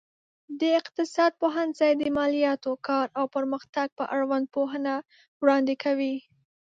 د اقتصاد پوهنځی د مالياتو، کار او پرمختګ په اړوند پوهنه وړاندې کوي.